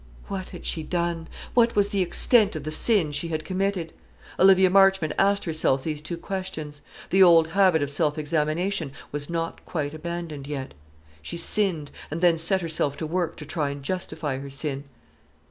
What had she done? What was the extent of the sin she had committed? Olivia Marchmont asked herself these two questions. The old habit of self examination was not quite abandoned yet. She sinned, and then set herself to work to try and justify her sin.